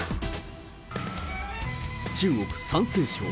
中国・山西省。